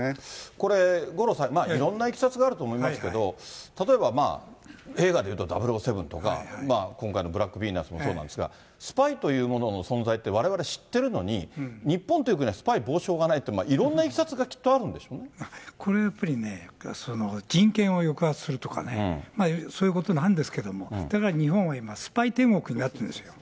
これ、五郎さん、いろんないきさつがあると思いますけれども、例えば映画でいうと００７とか、今回のブラックヴィーナスもそうなんですけれども、スパイというものの存在ってわれわれ知ってるのに、日本っていう国はスパイ防止法がないって、いろんないきさつがきっとあるでしこれはね、やっぱり、人権を抑圧するとかね、そういうことなんですけれども、だから日本は今、スパイ天国になってるんですよ。